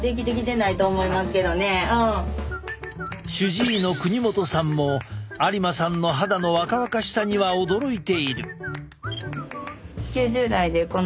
主治医の国本さんも有馬さんの肌の若々しさには驚いている。